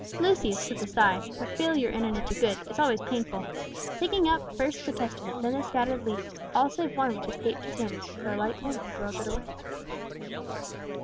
Lucius with a sigh for failure in an attempt to do good is always painful picked up first the Testament, and then the scattered leaves, all save one which escaped his notice, for a light wind had whirled it away.